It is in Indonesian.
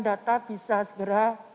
data bisa segera